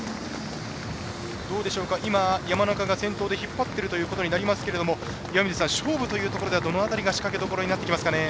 今、山中が先頭で引っ張っているということになりますが勝負というところではどの辺りが仕掛けどころになってきますかね？